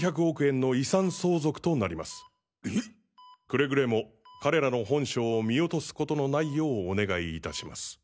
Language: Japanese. くれぐれも彼らの本性を見落とすことのないようお願いいたします。